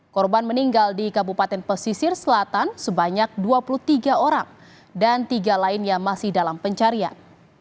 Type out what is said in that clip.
korban meninggal di kabupaten pesisir selatan sebanyak dua puluh tiga orang dan tiga lainnya masih dalam pencarian